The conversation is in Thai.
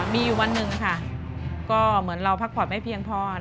มีอยู่วันหนึ่งค่ะก็เหมือนเราพักผ่อนไม่เพียงพอ